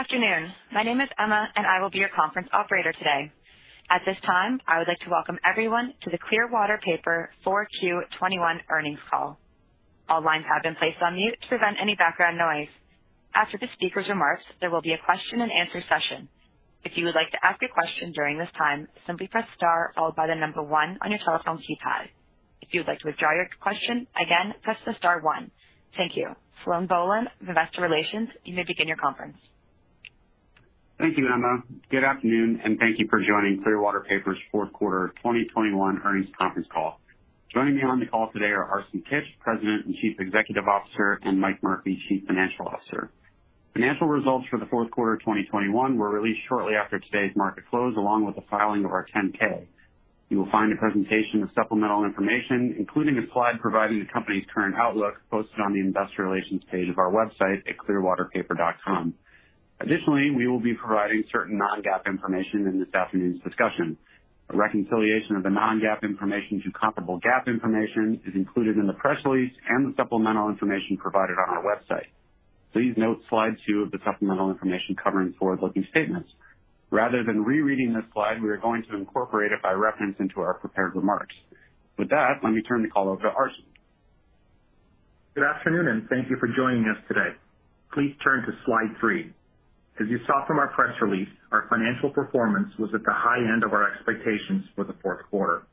Afternoon. My name is Emma, and I will be your Conference Operator today. At this time, I would like to welcome everyone to the Clearwater Paper Q4 2021 Earnings Call. All lines have been placed on mute to prevent any background noise. After the speaker's remarks, there will be a question and answer session. If you would like to ask a question during this time, simply press star followed by the number one on your telephone keypad. If you would like to withdraw your question, again, press the star one. Thank you. Sloan Bohlen, Investor Relations, you may begin your conference. Thank you, Emma. Good afternoon, and thank you for joining Clearwater Paper's Fourth Quarter 2021 Earnings Conference Call. Joining me on the call today are Arsen Kitch, President and Chief Executive Officer, and Mike Murphy, Chief Financial Officer. Financial results for the fourth quarter of 2021 were released shortly after today's market close, along with the filing of our 10-K. You will find a presentation of supplemental information, including a slide providing the company's current outlook, posted on the investor relations page of our website at clearwaterpaper.com. Additionally, we will be providing certain non-GAAP information in this afternoon's discussion. A reconciliation of the non-GAAP information to comparable GAAP information is included in the press release and the supplemental information provided on our website. Please note slide 2 of the supplemental information covering forward-looking statements. Rather than rereading this slide, we are going to incorporate it by reference into our prepared remarks. With that, let me turn the call over to Arsen. Good afternoon, and thank you for joining us today. Please turn to slide three. As you saw from our press release, our financial performance was at the high end of our expectations for the fourth quarter.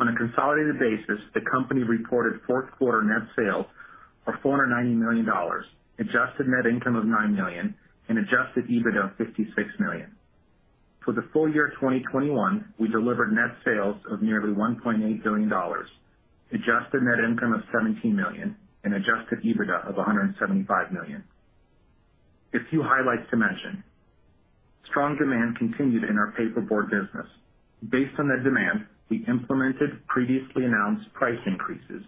On a consolidated basis, the company reported fourth quarter net sales of $490 million, adjusted net income of $9 million, and adjusted EBITDA of $56 million. For the full year of 2021, we delivered net sales of nearly $1.8 billion, adjusted net income of $17 million, and adjusted EBITDA of $175 million. A few highlights to mention. Strong demand continued in our paperboard business. Based on that demand, we implemented previously announced price increases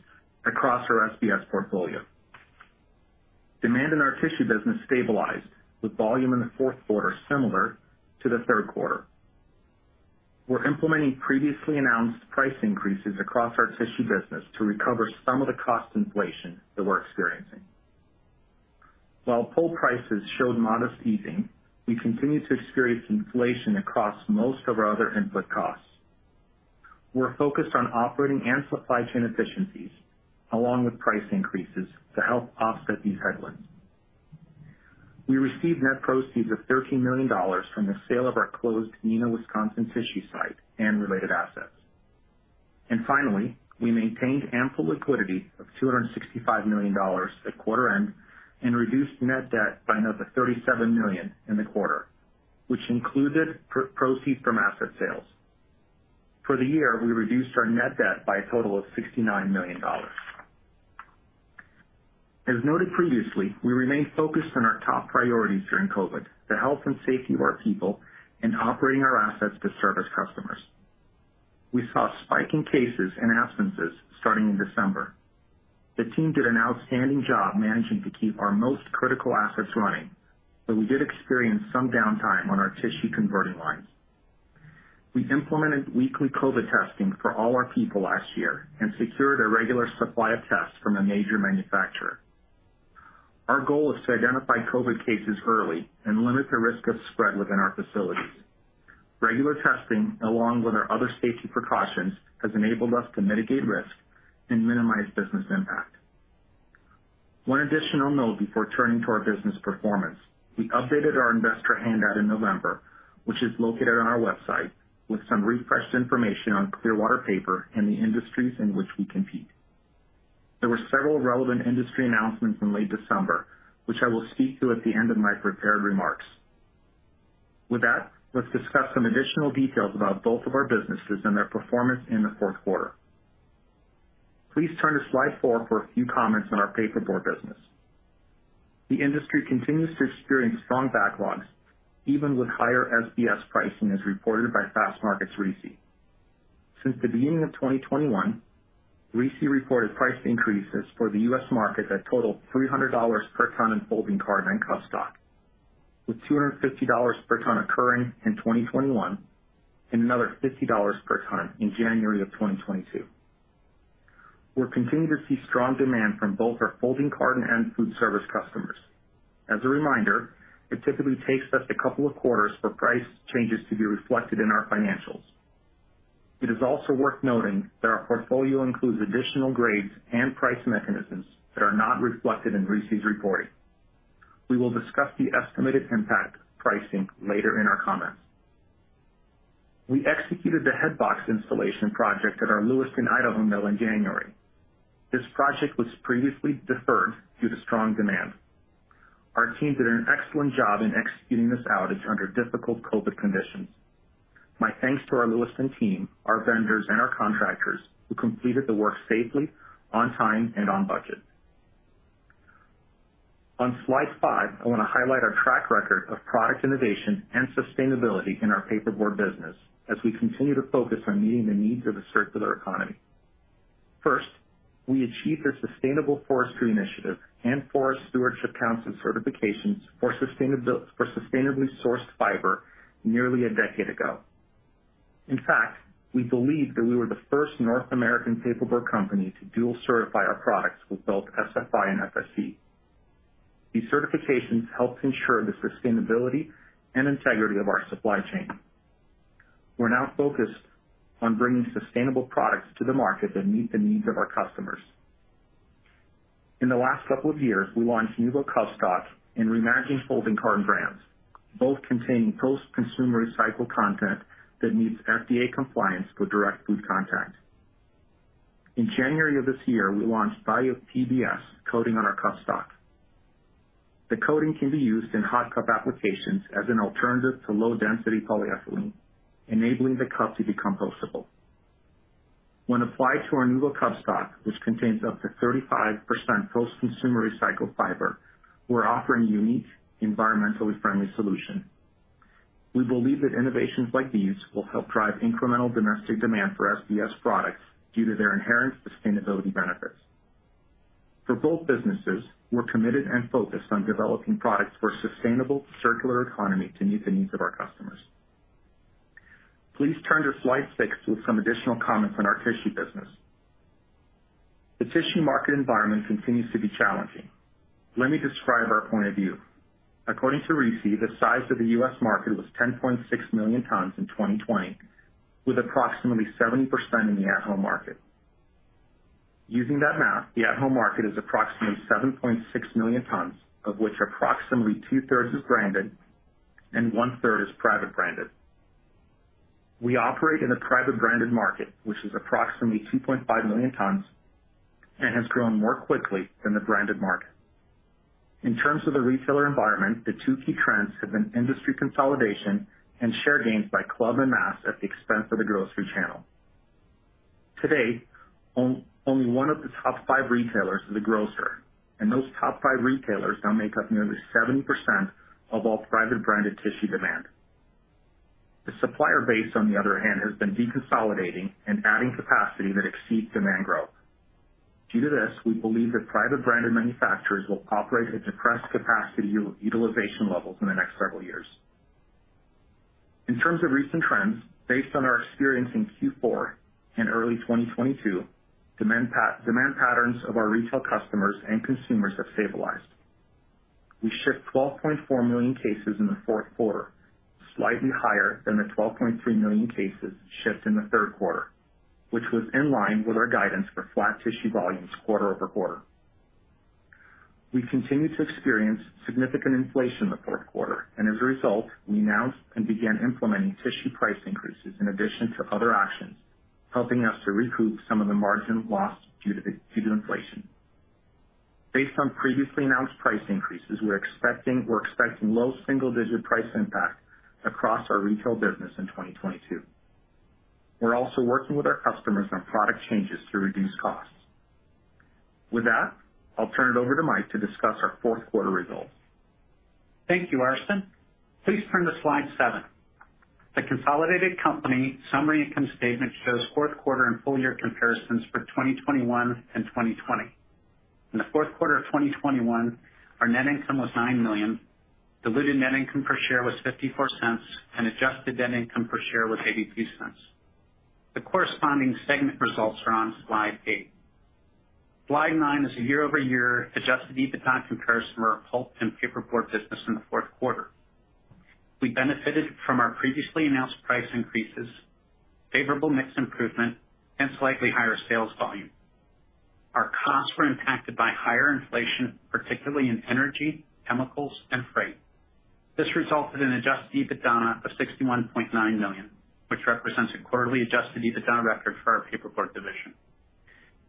across our SBS portfolio. Demand in our tissue business stabilized, with volume in the fourth quarter similar to the third quarter. We're implementing previously announced price increases across our tissue business to recover some of the cost inflation that we're experiencing. While pulp prices showed modest easing, we continue to experience inflation across most of our other input costs. We're focused on operating and supply chain efficiencies, along with price increases to help offset these headwinds. We received net proceeds of $13 million from the sale of our closed Neenah, Wisconsin, tissue site and related assets. Finally, we maintained ample liquidity of $265 million at quarter end and reduced net debt by another $37 million in the quarter, which included proceeds from asset sales. For the year, we reduced our net debt by a total of $69 million. As noted previously, we remain focused on our top priorities during COVID, the health and safety of our people and operating our assets to service customers. We saw a spike in cases and absences starting in December. The team did an outstanding job managing to keep our most critical assets running, but we did experience some downtime on our tissue converting lines. We implemented weekly COVID testing for all our people last year and secured a regular supply of tests from a major manufacturer. Our goal is to identify COVID cases early and limit the risk of spread within our facilities. Regular testing, along with our other safety precautions, has enabled us to mitigate risk and minimize business impact. One additional note before turning to our business performance. We updated our investor handout in November, which is located on our website, with some refreshed information on Clearwater Paper and the industries in which we compete. There were several relevant industry announcements in late December, which I will speak to at the end of my prepared remarks. With that, let's discuss some additional details about both of our businesses and their performance in the fourth quarter. Please turn to slide 4 for a few comments on our paperboard business. The industry continues to experience strong backlogs, even with higher SBS pricing as reported by Fastmarkets RISI. Since the beginning of 2021, RISI reported price increases for the U.S. market that totaled $300 per ton in folding carton and cup stock, with $250 per ton occurring in 2021 and another $50 per ton in January of 2022. We're continuing to see strong demand from both our folding carton and food service customers. As a reminder, it typically takes us a couple of quarters for price changes to be reflected in our financials. It is also worth noting that our portfolio includes additional grades and price mechanisms that are not reflected in RISI's reporting. We will discuss the estimated impact of pricing later in our comments. We executed the headbox installation project at our Lewiston, Idaho, mill in January. This project was previously deferred due to strong demand. Our team did an excellent job in executing this outage under difficult COVID conditions. My thanks to our Lewiston team, our vendors, and our contractors who completed the work safely, on time, and on budget. On slide 5, I want to highlight our track record of product innovation and sustainability in our paperboard business as we continue to focus on meeting the needs of a circular economy. First, we achieved a Sustainable Forestry Initiative and Forest Stewardship Council certifications for sustainably sourced fiber nearly a decade ago. In fact, we believe that we were the first North American paperboard company to dual certify our products with both SFI and FSC. These certifications helps ensure the sustainability and integrity of our supply chain. We're now focused on bringing sustainable products to the market that meet the needs of our customers. In the last couple of years, we launched NuVo cup stock and Reimagine folding carton brands, both containing post-consumer recycled content that meets FDA compliance for direct food contact. In January of this year, we launched BioPBS coating on our cup stock. The coating can be used in hot cup applications as an alternative to low-density polyethylene, enabling the cup to be compostable. When applied to our NuVo cup stock, which contains up to 35% post-consumer recycled fiber, we're offering a unique, environmentally friendly solution. We believe that innovations like these will help drive incremental domestic demand for SBS products due to their inherent sustainability benefits. For both businesses, we're committed and focused on developing products for a sustainable circular economy to meet the needs of our customers. Please turn to slide 6 with some additional comments on our tissue business. The tissue market environment continues to be challenging. Let me describe our point of view. According to RISI, the size of the U.S. market was 10.6 million tons in 2020, with approximately 70% in the at-home market. Using that math, the at-home market is approximately 7.6 million tons, of which approximately 2/3 is branded and 1/3 is private branded. We operate in the private branded market, which is approximately 2.5 million tons and has grown more quickly than the branded market. In terms of the retailer environment, the two key trends have been industry consolidation and share gains by club and mass at the expense of the grocery channel. Today, only one of the top five retailers is a grocer, and those top five retailers now make up nearly 70% of all private branded tissue demand. The supplier base, on the other hand, has been deconsolidating and adding capacity that exceeds demand growth. Due to this, we believe that private branded manufacturers will operate at depressed capacity utilization levels in the next several years. In terms of recent trends, based on our experience in Q4 and early 2022, demand patterns of our retail customers and consumers have stabilized. We shipped 12.4 million cases in the fourth quarter, slightly higher than the 12.3 million cases shipped in the third quarter, which was in line with our guidance for flat tissue volumes quarter-over-quarter. We continued to experience significant inflation in the fourth quarter, and as a result, we announced and began implementing tissue price increases in addition to other actions, helping us to recoup some of the margin lost due to inflation. Based on previously announced price increases, we're expecting low single-digit price impact across our retail business in 2022. We're also working with our customers on product changes to reduce costs. With that, I'll turn it over to Mike to discuss our fourth quarter results. Thank you, Arsen. Please turn to slide 7. The consolidated company summary income statement shows fourth quarter and full year comparisons for 2021 and 2020. In the fourth quarter of 2021, our net income was $9 million. Diluted net income per share was $0.54, and adjusted net income per share was $0.83. The corresponding segment results are on slide 8. Slide 9 is a year-over-year adjusted EBITDA comparison for our pulp and paperboard business in the fourth quarter. We benefited from our previously announced price increases, favorable mix improvement, and slightly higher sales volume. Our costs were impacted by higher inflation, particularly in energy, chemicals, and freight. This resulted in adjusted EBITDA of $61.9 million, which represents a quarterly adjusted EBITDA record for our paperboard division.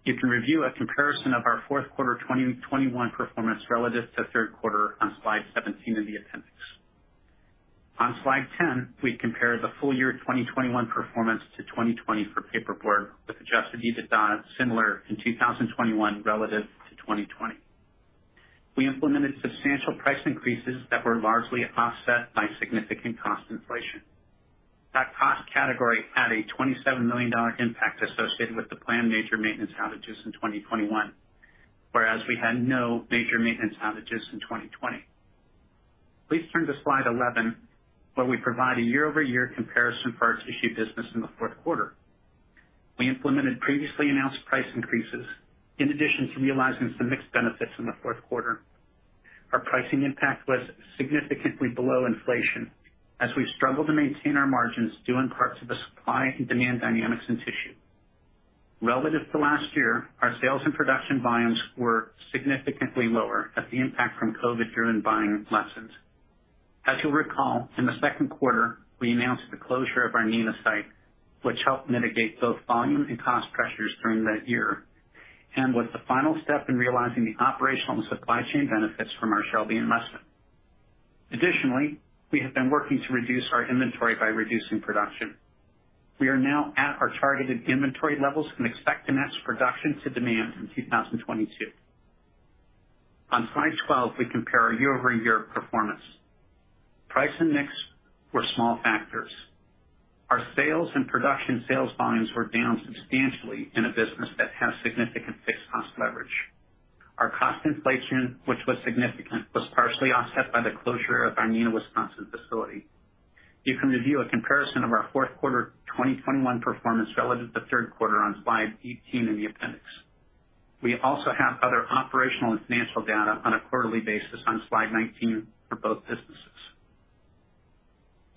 You can review a comparison of our fourth quarter 2021 performance relative to third quarter on slide 17 in the appendix. On slide 10, we compare the full year 2021 performance to 2020 for paperboard, with adjusted EBITDA similar in 2021 relative to 2020. We implemented substantial price increases that were largely offset by significant cost inflation. That cost category had a $27 million impact associated with the planned major maintenance outages in 2021, whereas we had no major maintenance outages in 2020. Please turn to slide 11, where we provide a year-over-year comparison for our tissue business in the fourth quarter. We implemented previously announced price increases in addition to realizing some mixed benefits in the fourth quarter. Our pricing impact was significantly below inflation as we struggled to maintain our margins, due in part to the supply and demand dynamics in tissue. Relative to last year, our sales and production volumes were significantly lower as the impact from COVID-driven buying lessened. As you'll recall, in the second quarter, we announced the closure of our Neenah site, which helped mitigate both volume and cost pressures during that year and was the final step in realizing the operational and supply chain benefits from our Shelby investment. Additionally, we have been working to reduce our inventory by reducing production. We are now at our targeted inventory levels and expect to match production to demand in 2022. On slide 12, we compare our year-over-year performance. Price and mix were small factors. Our sales and production sales volumes were down substantially in a business that has significant fixed cost leverage. Our cost inflation, which was significant, was partially offset by the closure of our Neenah, Wisconsin facility. You can review a comparison of our fourth quarter 2021 performance relative to third quarter on slide 18 in the appendix. We also have other operational and financial data on a quarterly basis on slide 19 for both businesses.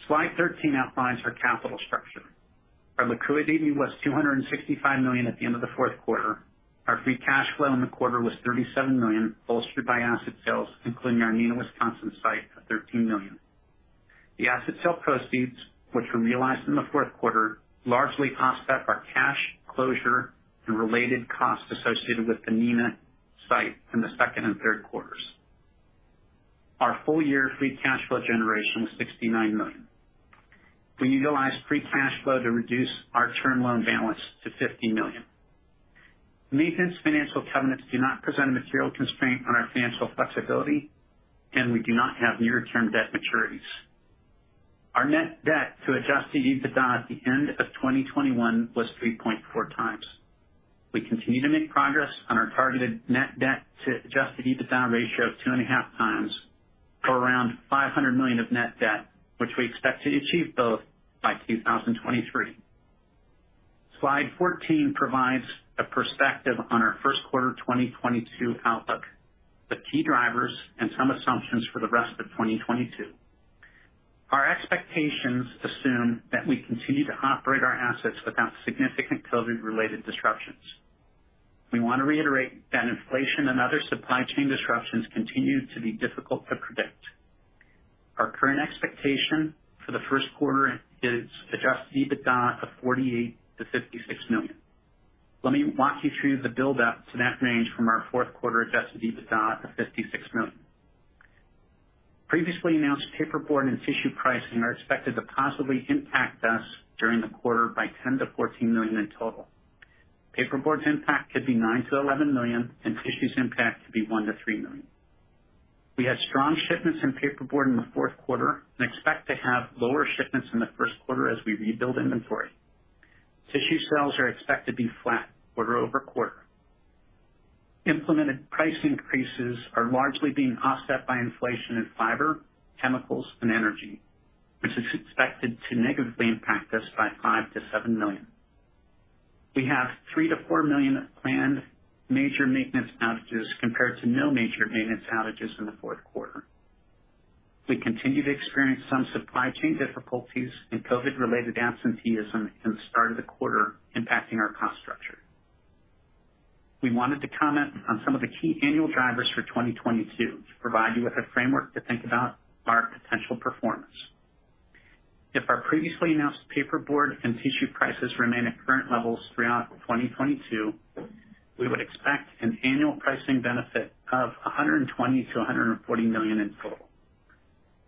Slide 13 outlines our capital structure. Our liquidity was $265 million at the end of the fourth quarter. Our free cash flow in the quarter was $37 million, bolstered by asset sales, including our Neenah, Wisconsin site of $13 million. The asset sale proceeds, which were realized in the fourth quarter, largely offset our cash closure and related costs associated with the Neenah site in the second and third quarters. Our full year free cash flow generation was $69 million. We utilized free cash flow to reduce our term loan balance to $50 million. Maintenance financial covenants do not present a material constraint on our financial flexibility, and we do not have near-term debt maturities. Our net debt to adjusted EBITDA at the end of 2021 was 3.4 times. We continue to make progress on our targeted net debt to adjusted EBITDA ratio of 2.5 times for around $500 million of net debt, which we expect to achieve both by 2023. Slide 14 provides a perspective on our first quarter 2022 outlook, the key drivers and some assumptions for the rest of 2022. Our expectations assume that we continue to operate our assets without significant COVID-related disruptions. We want to reiterate that inflation and other supply chain disruptions continue to be difficult to predict. Our current expectation for the first quarter is adjusted EBITDA of $48 million-$56 million. Let me walk you through the buildup to that range from our fourth quarter adjusted EBITDA of $56 million. Previously announced paperboard and tissue pricing are expected to possibly impact us during the quarter by $10 million-$14 million in total. Paperboard's impact could be $9 million-$11 million, and tissue's impact could be $1 million-$3 million. We had strong shipments in paperboard in the fourth quarter and expect to have lower shipments in the first quarter as we rebuild inventory. Tissue sales are expected to be flat quarter-over-quarter. Implemented price increases are largely being offset by inflation in fiber, chemicals and energy, which is expected to negatively impact us by $5 million-$7 million. We have $3 million-$4 million of planned major maintenance outages compared to no major maintenance outages in the fourth quarter. We continue to experience some supply chain difficulties and COVID-related absenteeism in the start of the quarter impacting our cost structure. We wanted to comment on some of the key annual drivers for 2022 to provide you with a framework to think about our potential performance. If our previously announced paperboard and tissue prices remain at current levels throughout 2022, we would expect an annual pricing benefit of $120 million-$140 million in total.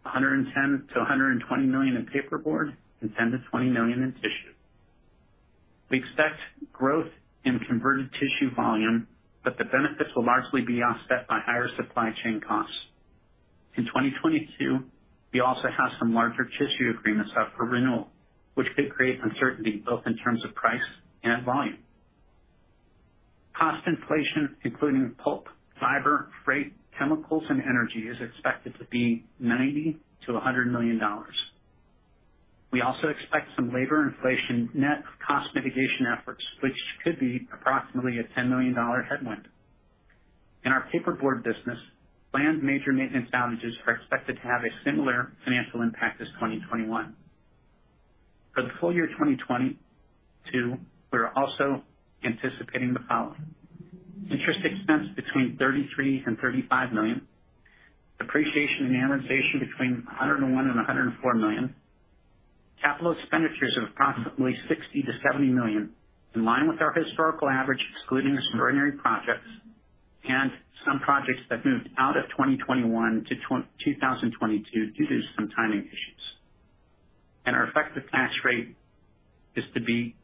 $110 million-$120 million in paperboard and $10 million-$20 million in tissue. We expect growth in converted tissue volume, but the benefits will largely be offset by higher supply chain costs. In 2022 we also have some larger tissue agreements up for renewal, which could create uncertainty both in terms of price and volume. Cost inflation, including pulp, fiber, freight, chemicals and energy, is expected to be $90 million-$100 million. We also expect some labor inflation net of cost mitigation efforts, which could be approximately a $10 million headwind. In our paperboard business, planned major maintenance outages are expected to have a similar financial impact as 2021. For the full year 2022 we are also anticipating the following. Interest expense between $33 million and $35 million. Depreciation and amortization between $101 million and $104 million. Capital expenditures of approximately $60 million to $70 million, in line with our historical average, excluding some ordinary projects and some projects that moved out of 2021 to 2022 due to some timing issues. Our effective tax rate is to be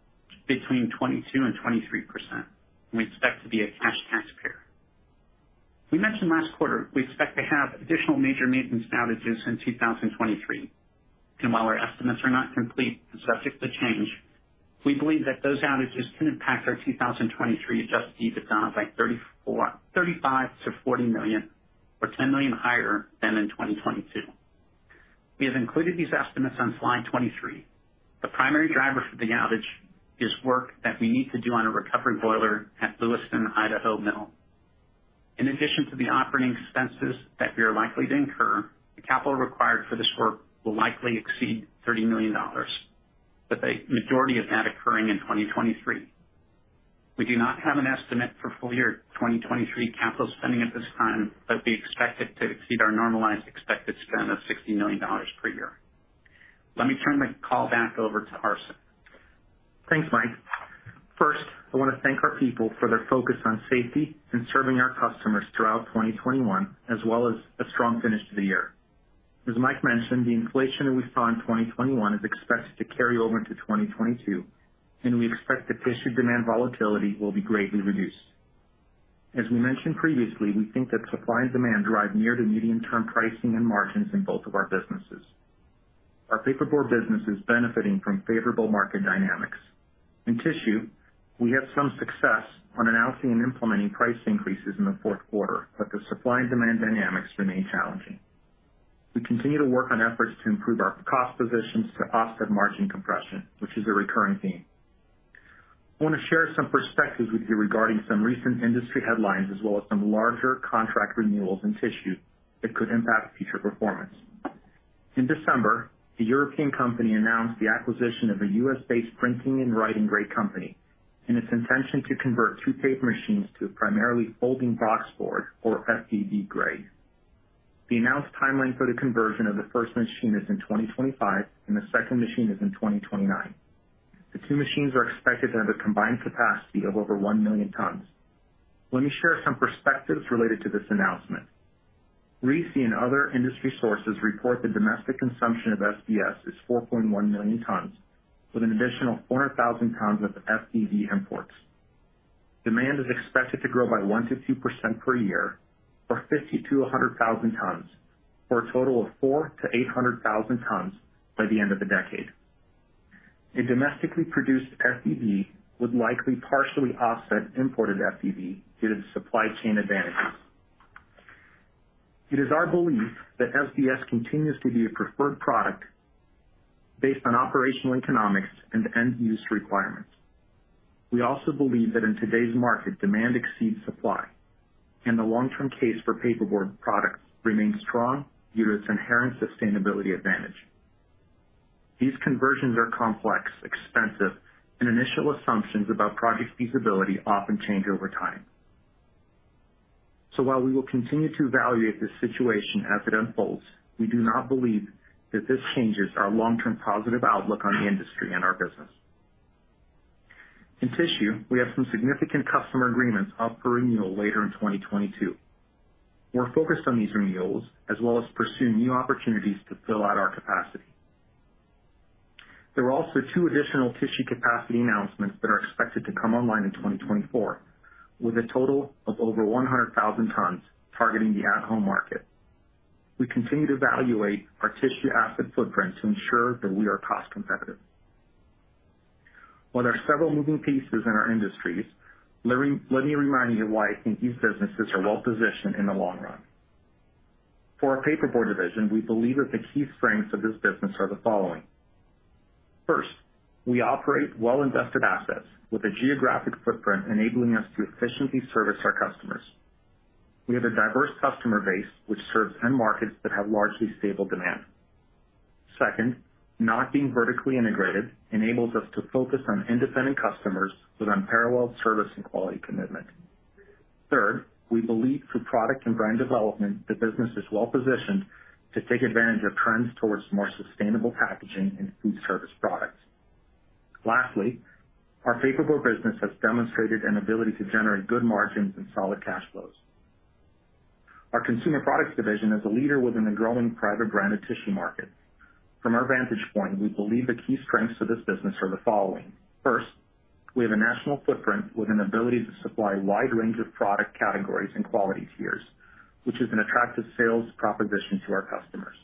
between 22%-23%, and we expect to be a cash taxpayer. We mentioned last quarter we expect to have additional major maintenance outages in 2023. While our estimates are not complete and subject to change, we believe that those outages can impact our 2023 adjusted EBITDA by $35 million-$40 million or $10 million higher than in 2022. We have included these estimates on slide 23. The primary driver for the outage is work that we need to do on a recovery boiler at Lewiston, Idaho mill. In addition to the operating expenses that we are likely to incur, the capital required for this work will likely exceed $30 million, with a majority of that occurring in 2023. We do not have an estimate for full year 2023 capital spending at this time, but we expect it to exceed our normalized expected spend of $60 million per year. Let me turn the call back over to Arsen. Thanks, Mike. First, I want to thank our people for their focus on safety and serving our customers throughout 2021, as well as a strong finish to the year. As Mike mentioned, the inflation that we saw in 2021 is expected to carry over into 2022, and we expect that tissue demand volatility will be greatly reduced. As we mentioned previously, we think that supply and demand drive near to medium-term pricing and margins in both of our businesses. Our paperboard business is benefiting from favorable market dynamics. In tissue, we had some success on announcing and implementing price increases in the fourth quarter, but the supply and demand dynamics remain challenging. We continue to work on efforts to improve our cost positions to offset margin compression, which is a recurring theme. I want to share some perspectives with you regarding some recent industry headlines as well as some larger contract renewals in tissue that could impact future performance. In December, a European company announced the acquisition of a U.S.-based printing and writing grade company and its intention to convert two paper machines to primarily folding box board or FBB grade. The announced timeline for the conversion of the first machine is in 2025, and the second machine is in 2029. The two machines are expected to have a combined capacity of over 1 million tons. Let me share some perspectives related to this announcement. RISI and other industry sources report the domestic consumption of SBS is 4.1 million tons, with an additional 400,000 tons worth of FBB imports. Demand is expected to grow by 1%-2% per year, or 50,000-100,000 tons, for a total of 400,000-800,000 tons by the end of the decade. A domestically produced FBB would likely partially offset imported FBB due to the supply chain advantages. It is our belief that SBS continues to be a preferred product based on operational economics and end-use requirements. We also believe that in today's market, demand exceeds supply, and the long-term case for paperboard products remains strong due to its inherent sustainability advantage. These conversions are complex, expensive, and initial assumptions about project feasibility often change over time. While we will continue to evaluate this situation as it unfolds, we do not believe that this changes our long-term positive outlook on the industry and our business. In tissue, we have some significant customer agreements up for renewal later in 2022. We're focused on these renewals as well as pursuing new opportunities to fill out our capacity. There were also two additional tissue capacity announcements that are expected to come online in 2024, with a total of over 100,000 tons targeting the at-home market. We continue to evaluate our tissue asset footprint to ensure that we are cost competitive. While there are several moving pieces in our industries, let me remind you why I think these businesses are well positioned in the long run. For our Paperboard Division, we believe that the key strengths of this business are the following. First, we operate well invested assets with a geographic footprint enabling us to efficiently service our customers. We have a diverse customer base which serves end markets that have largely stable demand. Second, not being vertically integrated enables us to focus on independent customers with unparalleled service and quality commitment. Third, we believe through product and brand development, the business is well positioned to take advantage of trends toward more sustainable packaging and food service products. Lastly, our paperboard business has demonstrated an ability to generate good margins and solid cash flows. Our consumer products division is a leader within the growing private branded tissue market. From our vantage point, we believe the key strengths to this business are the following. First, we have a national footprint with an ability to supply a wide range of product categories and quality tiers, which is an attractive sales proposition to our customers.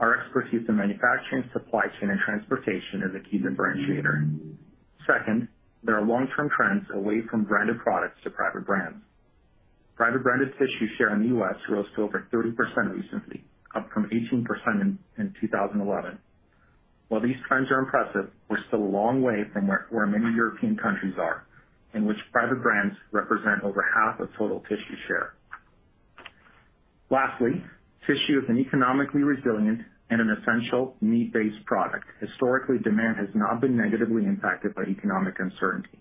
Our expertise in manufacturing, supply chain, and transportation is a key differentiator. Second, there are long-term trends away from branded products to private brands. Private branded tissue share in the U.S. rose to over 30% recently, up from 18% in 2011. While these trends are impressive, we're still a long way from where many European countries are, in which private brands represent over half of total tissue share. Lastly, tissue is an economically resilient and an essential need-based product. Historically, demand has not been negatively impacted by economic uncertainty.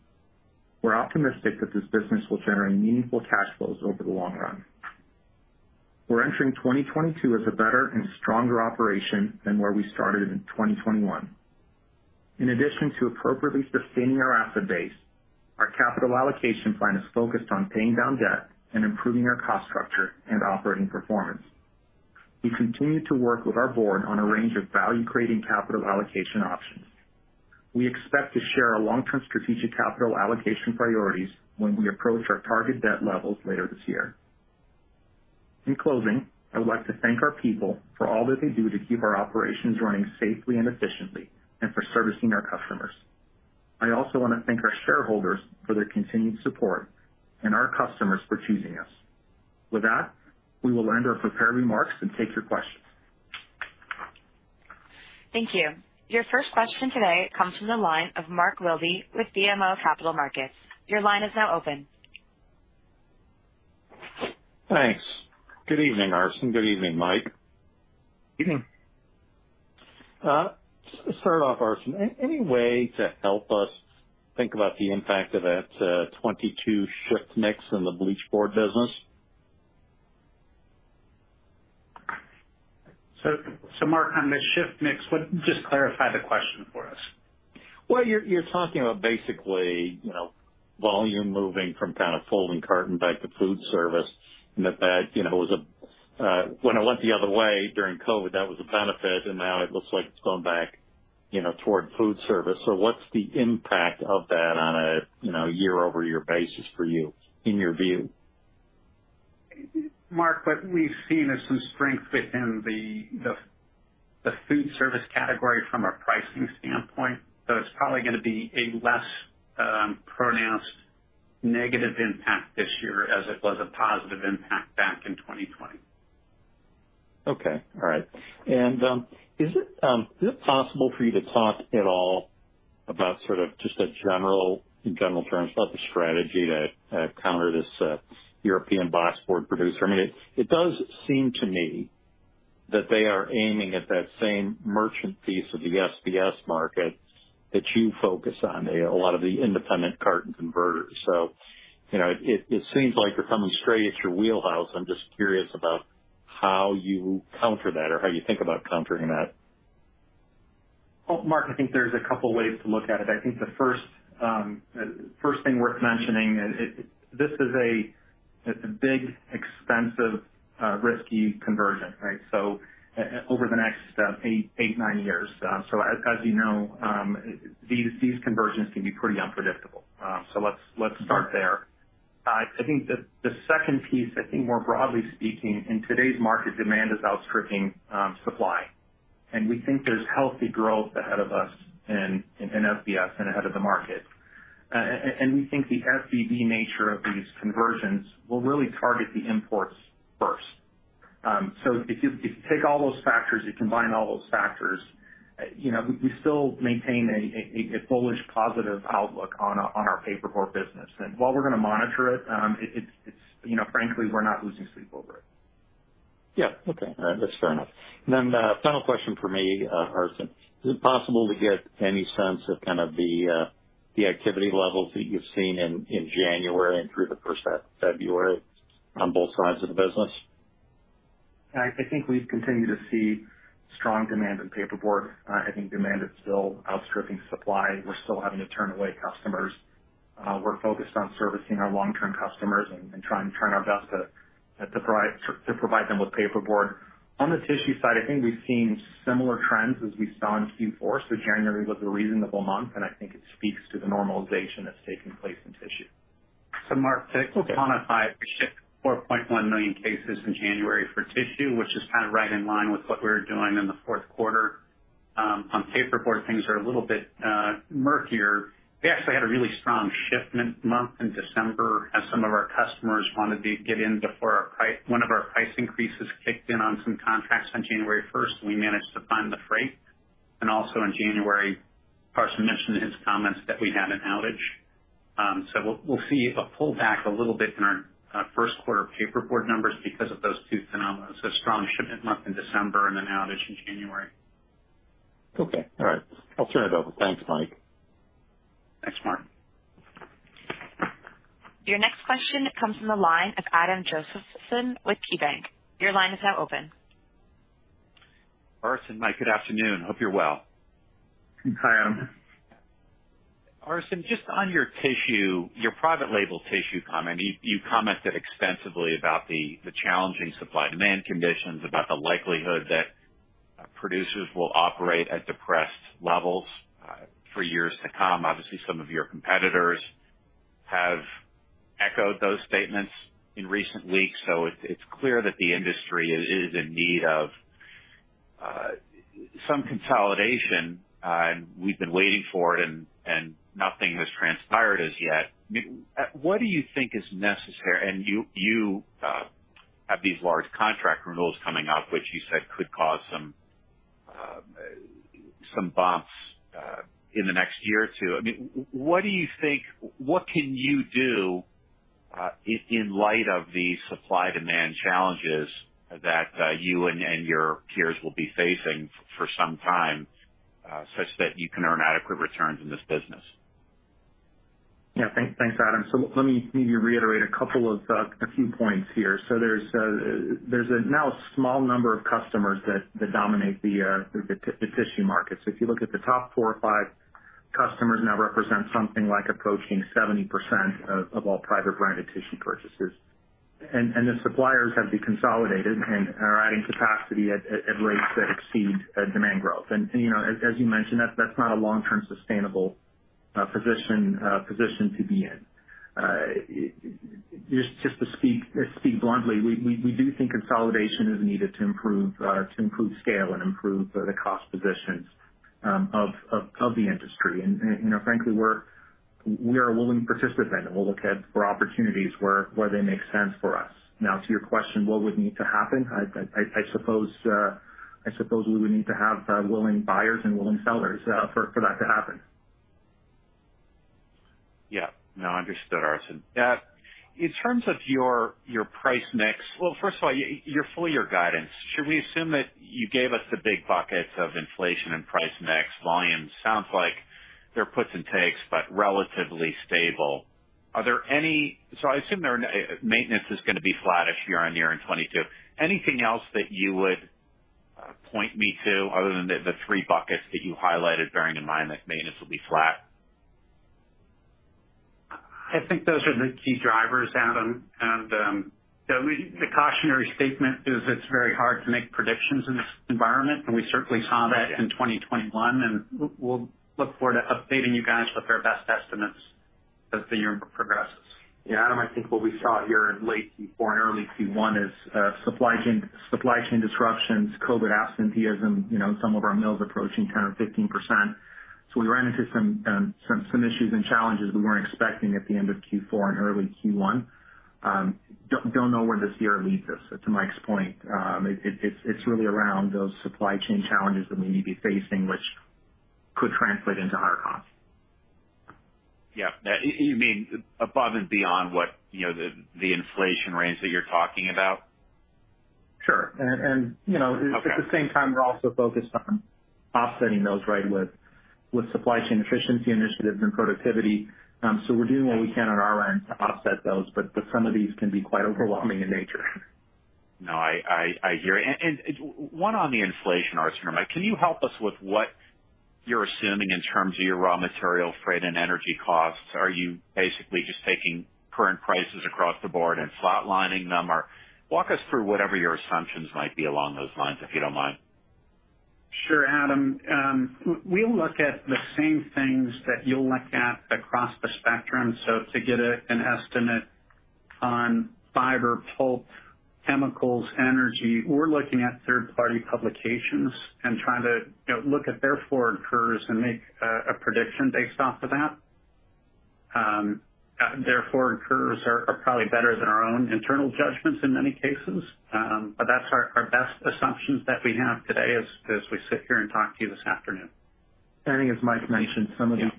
We're optimistic that this business will generate meaningful cash flows over the long run. We're entering 2022 as a better and stronger operation than where we started in 2021. In addition to appropriately sustaining our asset base, our capital allocation plan is focused on paying down debt and improving our cost structure and operating performance. We continue to work with our board on a range of value-creating capital allocation options. We expect to share our long-term strategic capital allocation priorities when we approach our target debt levels later this year. In closing, I would like to thank our people for all that they do to keep our operations running safely and efficiently and for servicing our customers. I also want to thank our shareholders for their continued support and our customers for choosing us. With that, we will end our prepared remarks and take your questions. Thank you. Your first question today comes from the line of Mark Wilde with BMO Capital Markets. Your line is now open. Thanks. Good evening, Arsen. Good evening, Mike. Evening. To start off, Arsen, any way to help us think about the impact of that 2022 shift mix in the bleached board business? Mark, on the shift mix, just clarify the question for us. Well, you're talking about basically, you know, volume moving from kind of folding carton back to food service, and that, you know, was a, when it went the other way during COVID, that was a benefit. Now it looks like it's going back, you know, toward food service. What's the impact of that on a, you know, year-over-year basis for you in your view? Mark, what we've seen is some strength within the food service category from a pricing standpoint. It's probably gonna be a less pronounced negative impact this year as it was a positive impact back in 2020. Is it possible for you to talk at all about sort of just in general terms about the strategy to counter this European box board producer? I mean, it does seem to me that they are aiming at that same merchant piece of the SBS market that you focus on, a lot of the independent carton converters. You know, it seems like they're coming straight at your wheelhouse. I'm just curious about how you counter that or how you think about countering that. Well, Mark, I think there's a couple ways to look at it. I think the first thing worth mentioning is this is a, it's a big, expensive, risky conversion, right? Over the next eight, nine years. As you know, these conversions can be pretty unpredictable. Let's start there. I think the second piece, I think more broadly speaking, in today's market, demand is outstripping supply. We think there's healthy growth ahead of us in SBS and ahead of the market. We think the FBB nature of these conversions will really target the imports first. If you take all those factors, you combine all those factors, you know, we still maintain a bullish positive outlook on our paperboard business. While we're gonna monitor it's, you know, frankly, we're not losing sleep over it. Yeah. Okay. All right. That's fair enough. The final question for me, Arsen. Is it possible to get any sense of kind of the activity levels that you've seen in January and through the first February on both sides of the business? I think we've continued to see strong demand in paperboard. I think demand is still outstripping supply. We're still having to turn away customers. We're focused on servicing our long-term customers and trying to do our best to provide them with paperboard. On the tissue side, I think we've seen similar trends as we saw in Q4. January was a reasonable month, and I think it speaks to the normalization that's taking place in tissue. Mark, to quantify, we shipped 4.1 million cases in January for tissue, which is kind of right in line with what we were doing in the fourth quarter. On paperboard, things are a little bit murkier. We actually had a really strong shipment month in December as some of our customers wanted to get in before our one of our price increases kicked in on some contracts on January first, and we managed to find the freight. Also in January, Arsen mentioned in his comments that we had an outage. We'll see a pullback a little bit in our first quarter paperboard numbers because of those two phenomena. Strong shipment month in December and an outage in January. Okay. All right. I'll turn it over. Thanks, Mike. Thanks, Mark. Your next question comes from the line of Adam Josephson with KeyBanc. Your line is now open. Arsen, Mike, good afternoon. Hope you're well. Hi, Adam. Arsen, just on your tissue, your private label tissue comment, you commented extensively about the challenging supply demand conditions, about the likelihood that producers will operate at depressed levels for years to come. Obviously, some of your competitors have echoed those statements in recent weeks, so it's clear that the industry is in need of some consolidation, and we've been waiting for it and nothing has transpired as yet. What do you think is necessary? You have these large contract renewals coming up, which you said could cause some bumps in the next year or two. I mean, what can you do in light of the supply-demand challenges that you and your peers will be facing for some time, such that you can earn adequate returns in this business? Thanks, Adam. Let me maybe reiterate a few points here. There's now a small number of customers that dominate the tissue market. If you look at the top four or five customers, they now represent something like approaching 70% of all private branded tissue purchases. The suppliers have deconsolidated and are adding capacity at rates that exceed demand growth. As you mentioned, that's not a long-term sustainable position to be in. Just to speak bluntly, we do think consolidation is needed to improve scale and improve the cost positions of the industry. You know, frankly, we are a willing participant, and we'll look at opportunities where they make sense for us. Now to your question, what would need to happen? I suppose we would need to have willing buyers and willing sellers for that to happen. Yeah. No, understood, Arsen. In terms of your price mix. Well, first of all, your full year guidance. Should we assume that you gave us the big buckets of inflation and price mix volume? Sounds like there are puts and takes, but relatively stable. So I assume maintenance is gonna be flattish year-over-year in 2022. Anything else that you would point me to other than the three buckets that you highlighted bearing in mind that maintenance will be flat? I think those are the key drivers, Adam. The cautionary statement is it's very hard to make predictions in this environment, and we certainly saw that in 2021, and we'll look forward to updating you guys with our best estimates as the year progresses. Yeah, Adam, I think what we saw here in late Q4 and early Q1 is supply chain disruptions, COVID absenteeism, you know, some of our mills approaching 10% or 15%. We ran into some issues and challenges we weren't expecting at the end of Q4 and early Q1. Don't know where this year leads us. To Mike's point, it's really around those supply chain challenges that we may be facing, which could translate into higher costs. Yeah. You mean above and beyond what, you know, the inflation rates that you're talking about? Sure. You know. Okay. At the same time, we're also focused on offsetting those, right, with supply chain efficiency initiatives and productivity. We're doing what we can on our end to offset those. Some of these can be quite overwhelming in nature. No, I hear you. One on the inflation, or sorry, Mike, can you help us with what you're assuming in terms of your raw material, freight, and energy costs? Are you basically just taking current prices across the board and flatlining them? Or walk us through whatever your assumptions might be along those lines, if you don't mind. Sure, Adam. We look at the same things that you'll look at across the spectrum. To get an estimate on fiber, pulp, chemicals, energy, we're looking at third-party publications and trying to look at their forward curves and make a prediction based off of that. Their forward curves are probably better than our own internal judgments in many cases. That's our best assumptions that we have today as we sit here and talk to you this afternoon. I think as Mike mentioned, some of these- Yeah.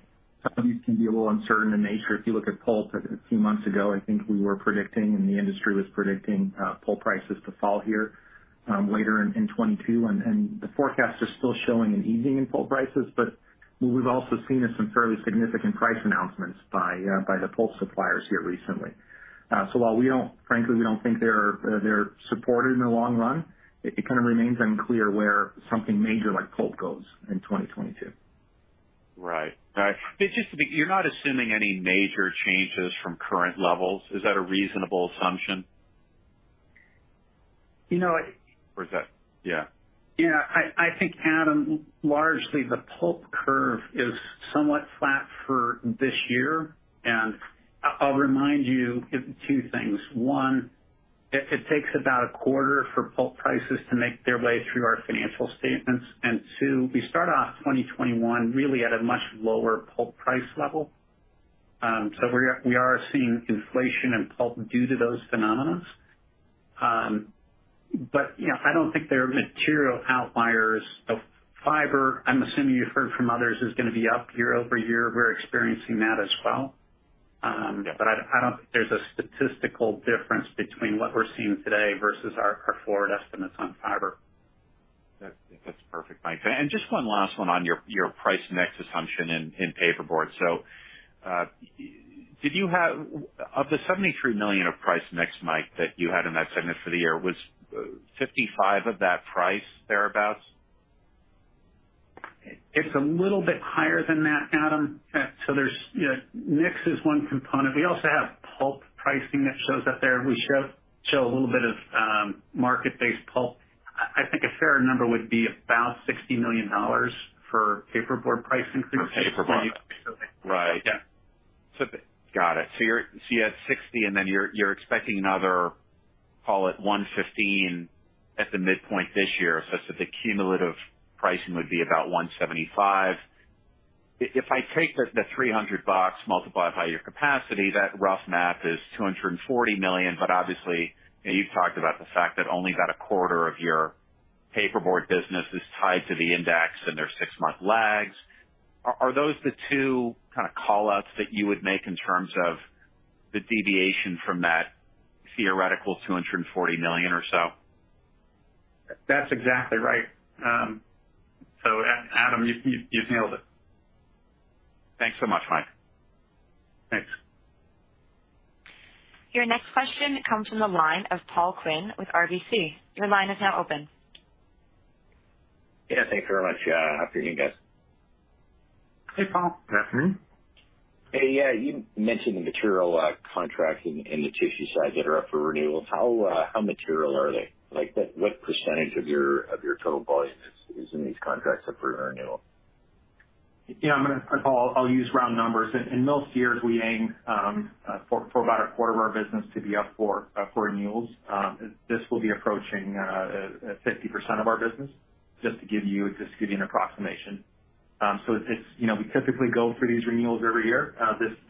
Some of these can be a little uncertain in nature. If you look at pulp, a few months ago, I think we were predicting, and the industry was predicting, pulp prices to fall here later in 2022. The forecasts are still showing an easing in pulp prices. What we've also seen is some fairly significant price announcements by the pulp suppliers here recently. While we don't frankly think they're supported in the long run, it kind of remains unclear where something major like pulp goes in 2022. Right. It's just that you're not assuming any major changes from current levels. Is that a reasonable assumption? You know. Yeah. Yeah. I think, Adam, largely the pulp curve is somewhat flat for this year. I'll remind you of two things. One, it takes about a quarter for pulp prices to make their way through our financial statements. Two, we start off 2021 really at a much lower pulp price level. So we are seeing inflation in pulp due to those phenomena. But, you know, I don't think they're material outliers. Fiber, I'm assuming you've heard from others, is gonna be up year-over-year. We're experiencing that as well. But I don't think there's a statistical difference between what we're seeing today versus our forward estimates on fiber. That's perfect, Mike. Just one last one on your price mix assumption in paperboard. Of the $73 million of price mix, Mike, that you had in that segment for the year, was $55 million of that price thereabouts? It's a little bit higher than that, Adam. There's, you know, mix is one component. We also have pulp pricing that shows up there. We show a little bit of market-based pulp. I think a fair number would be about $60 million for paperboard price increases. For paperboard. Right. Yeah. Got it. You had $60 million and then you're expecting another, call it $115 million at the midpoint this year. The cumulative pricing would be about $175 million. If I take the $300 multiplied by your capacity, that rough math is $240 million. Obviously, you've talked about the fact that only about a quarter of your paperboard business is tied to the index, and there's six-month lags. Are those the two kind of call-outs that you would make in terms of the deviation from that theoretical $240 million or so? That's exactly right. Adam, you nailed it. Thanks so much, Mike. Thanks. Your next question comes from the line of Paul Quinn with RBC. Your line is now open. Yeah, thank you very much. Afternoon, guys. Hey, Paul. Afternoon. Hey. Yeah, you mentioned the material contracts in the tissue side that are up for renewal. How material are they? Like, what percentage of your total volume is in these contracts up for renewal? Yeah, Paul, I'll use round numbers. In most years, we aim for about a quarter of our business to be up for renewals. This will be approaching 50% of our business, just to give you an approximation. You know, we typically go through these renewals every year.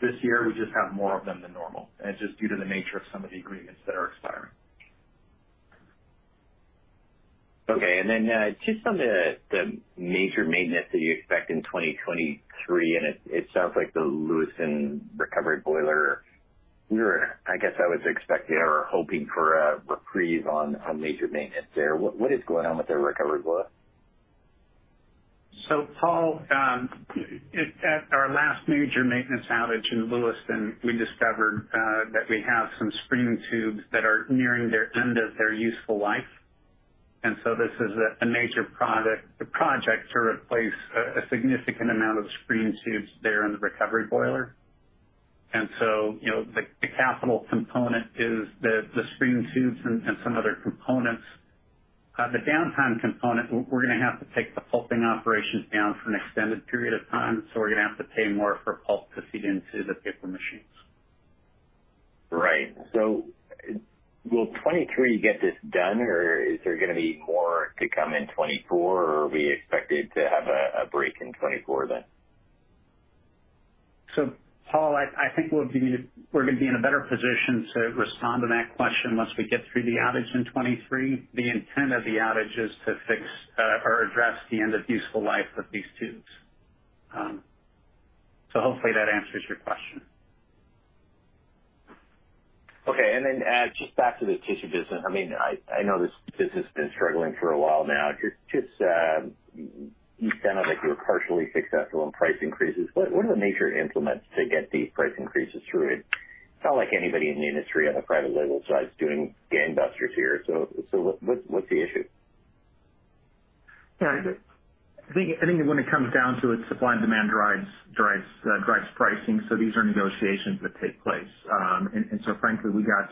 This year we just have more of them than normal, and it's just due to the nature of some of the agreements that are expiring. Okay. Just on the major maintenance that you expect in 2023, it sounds like the Lewiston recovery boiler. I guess I was expecting or hoping for a reprieve on major maintenance there. What is going on with the recovery boiler? Paul, at our last major maintenance outage in Lewiston, we discovered that we have some screen tubes that are nearing their end of their useful life. This is a major project to replace a significant amount of screen tubes there in the recovery boiler. The capital component is the screen tubes and some other components. The downtime component, we're gonna have to take the pulping operations down for an extended period of time, so we're gonna have to pay more for pulp to feed into the paper machines. Right. Will 2023 get this done, or is there gonna be more to come in 2024? Or are we expected to have a break in 2024 then? Paul, I think we're gonna be in a better position to respond to that question once we get through the outage in 2023. The intent of the outage is to fix or address the end of useful life of these tubes. Hopefully that answers your question. Okay. Just back to the tissue business. I mean, I know this business has been struggling for a while now. Just, you sound like you were partially successful in price increases. What are the major impediments to get these price increases through? It's not like anybody in the industry on the private label side is doing gangbusters here, so what's the issue? I think when it comes down to it, supply and demand drives pricing, so these are negotiations that take place. Frankly, we got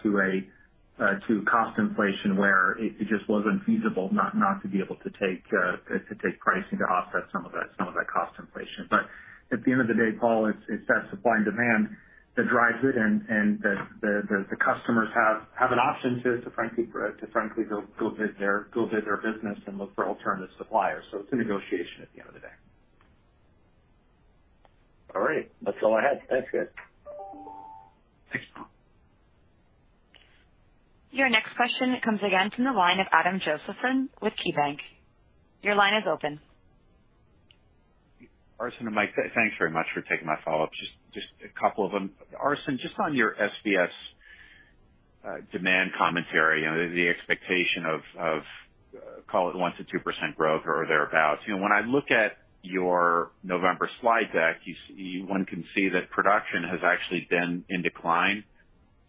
to cost inflation where it just was unfeasible not to be able to take pricing to offset some of that cost inflation. At the end of the day, Paul, it's that supply and demand that drives it and the customers have an option to frankly go bid their business and look for alternative suppliers. It's a negotiation at the end of the day. All right. That's all I had. Thanks, guys. Thanks, Paul. Your next question comes again from the line of Adam Josephson with KeyBanc. Your line is open. Arsen and Mike, thanks very much for taking my follow-up. Just a couple of them. Arsen, just on your SBS demand commentary, you know, the expectation of call it 1%-2% growth or thereabout. You know, when I look at your November slide deck, you see one can see that production has actually been in decline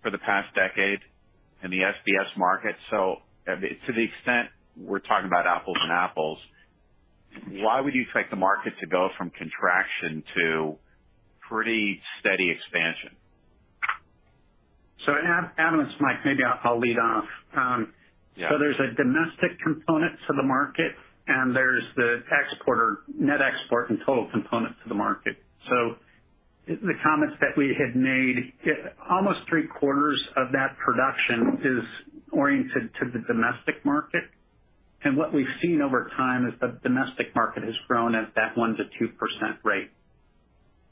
for the past decade in the SBS market. To the extent we're talking about apples and apples, why would you expect the market to go from contraction to pretty steady expansion? Adam it's Mike, maybe I'll lead off. Yeah. There's a domestic component to the market, and there's the export or net export and total component to the market. The comments that we had made, almost three-quarters of that production is oriented to the domestic market, and what we've seen over time is the domestic market has grown at that 1%-2% rate.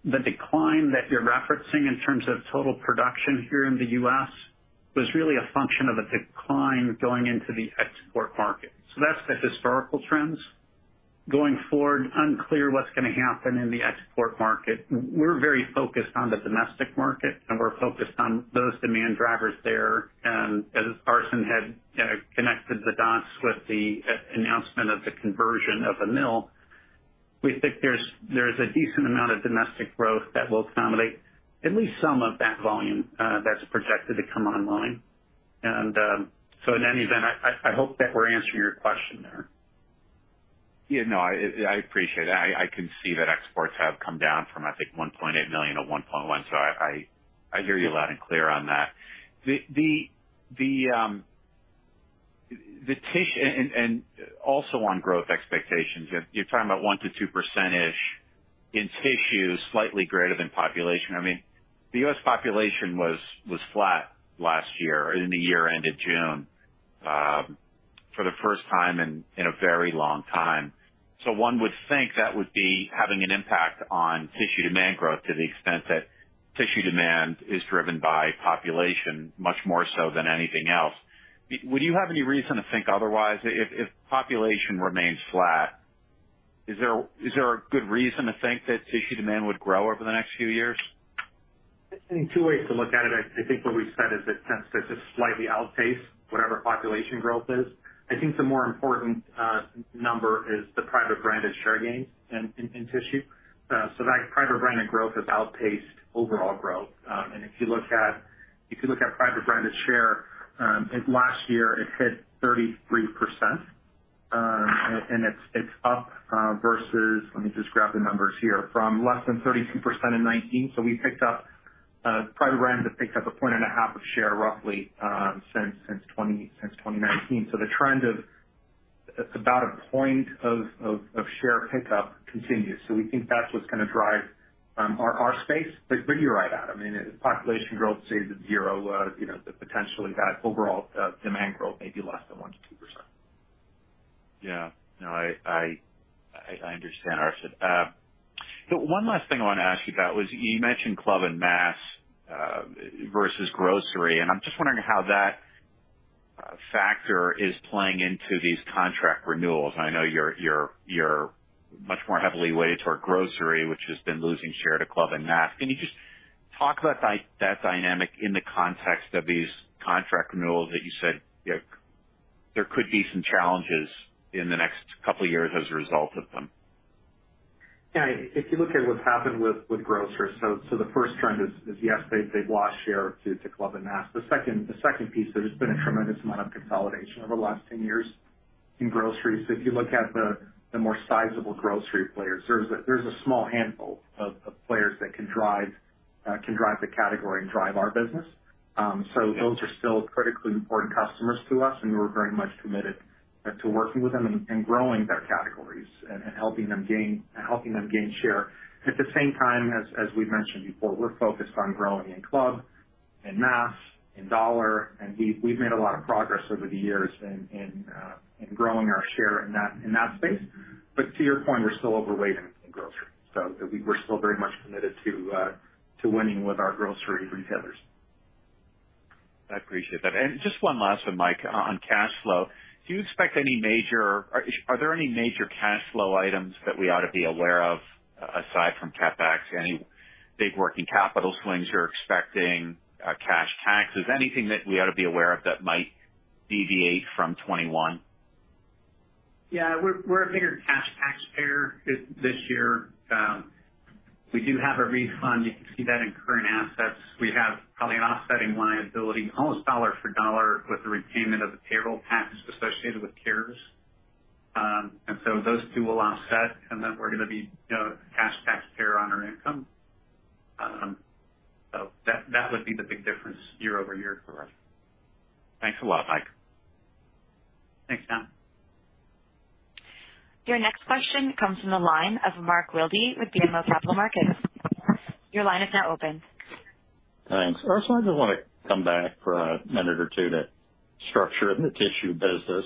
The decline that you're referencing in terms of total production here in the U.S. was really a function of a decline going into the export market, so that's the historical trends. Going forward, unclear what's gonna happen in the export market. We're very focused on the domestic market, and we're focused on those demand drivers there. As Arsen had connected the dots with the announcement of the conversion of a mill, we think there's a decent amount of domestic growth that will accommodate at least some of that volume that's projected to come online. In any event, I hope that we're answering your question there. Yeah. No, I appreciate it. I can see that exports have come down from, I think, 1.8 million to 1.1 million, so I hear you loud and clear on that. Also on growth expectations, you're talking about 1-2% in tissues, slightly greater than population. I mean, the U.S. population was flat last year, in the year ended June, for the first time in a very long time. One would think that would be having an impact on tissue demand growth to the extent that tissue demand is driven by population much more so than anything else. Would you have any reason to think otherwise? If population remains flat, is there a good reason to think that tissue demand would grow over the next few years? I think two ways to look at it. I think what we said is it tends to slightly outpace whatever population growth is. I think the more important number is the private branded share gains in tissue. That private branded growth has outpaced overall growth. If you look at private branded share, last year it hit 33%, and it's up from less than 32% in 2019. Let me just grab the numbers here. Private brand has picked up 1.5 points of share roughly since 2019. The trend of about one point of share pickup continues. We think that's what's gonna drive our sales. You're right, Adam. I mean, if population growth stays at zero, you know, the potential is that overall, demand growth may be less than 1%-2%. Yeah. No, I understand, Arsen. One last thing I wanna ask you about was you mentioned club and mass versus grocery, and I'm just wondering how that factor is playing into these contract renewals. I know you're much more heavily weighted toward grocery, which has been losing share to club and mass. Can you just talk about that dynamic in the context of these contract renewals that you said there could be some challenges in the next couple of years as a result of them? Yeah. If you look at what's happened with grocers, the first trend is yes, they've lost share to club and mass. The second piece, there's been a tremendous amount of consolidation over the last 10 years in grocery. If you look at the more sizable grocery players, there's a small handful of players that can drive the category and drive our business. Those are still critically important customers to us, and we're very much committed to working with them and growing their categories and helping them gain share. At the same time, as we've mentioned before, we're focused on growing in club, in mass, in dollar, and we've made a lot of progress over the years in growing our share in that space. To your point, we're still overweight in grocery. We're still very much committed to winning with our grocery retailers. I appreciate that. Just one last one, Mike, on cash flow. Are there any major cash flow items that we ought to be aware of aside from CapEx? Any big working capital swings you're expecting, cash taxes? Anything that we ought to be aware of that might deviate from 2021? Yeah, we're a bigger cash taxpayer this year. We do have a refund. You can see that in current assets. We have probably an offsetting liability, almost dollar for dollar with the repayment of the payroll tax associated with CARES. Those two will offset, and then we're gonna be, you know, cash taxpayer on our income. That would be the big difference year-over-year for us. Thanks a lot, Mike. Thanks, Adam. Your next question comes from the line of Mark Wilde with BMO Capital Markets. Your line is now open. Thanks. I also just wanna come back for a minute or two to structure in the tissue business.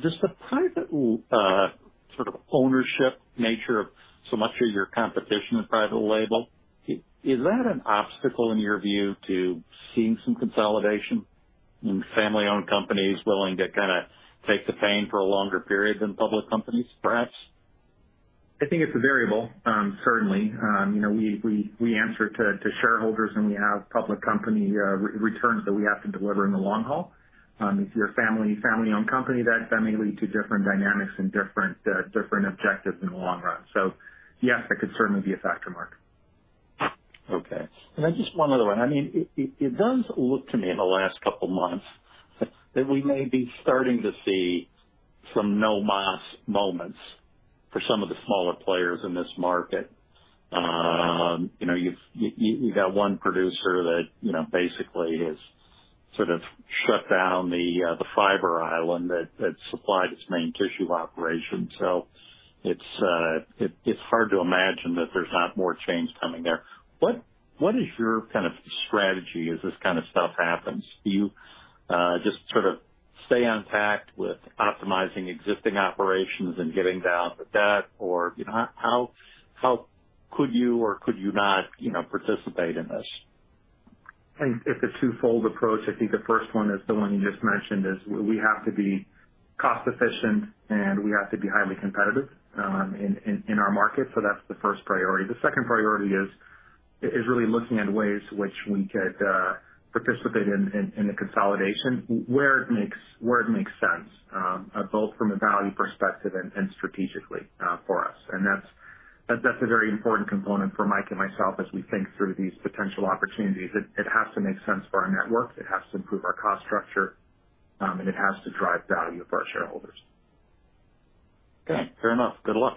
Does the private sort of ownership nature of so much of your competition in private label, is that an obstacle in your view to seeing some consolidation and family-owned companies willing to kinda take the pain for a longer period than public companies, perhaps? I think it's a variable, certainly. You know, we answer to shareholders, and we have public company returns that we have to deliver in the long haul. If you're a family-owned company, that may lead to different dynamics and different objectives in the long run. Yes, that could certainly be a factor, Mark. Okay. Just one other one. I mean, it does look to me in the last couple months that we may be starting to see some no más moments for some of the smaller players in this market. You know, you've got one producer that you know basically has sort of shut down the fiber island that supplied its main tissue operation. So it's hard to imagine that there's not more change coming there. What is your kind of strategy as this kind of stuff happens? Do you just sort of stay on track with optimizing existing operations and getting down the debt? Or you know how could you or could you not you know participate in this? I think it's a twofold approach. I think the first one is the one you just mentioned, we have to be cost efficient, and we have to be highly competitive in our market. That's the first priority. The second priority is really looking at ways which we could participate in the consolidation where it makes sense both from a value perspective and strategically for us. That's a very important component for Mike and myself as we think through these potential opportunities. It has to make sense for our network, it has to improve our cost structure, and it has to drive value for our shareholders. Okay. Fair enough. Good luck.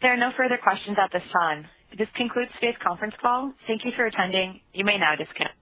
There are no further questions at this time. This concludes today's conference call. Thank you for attending. You may now disconnect.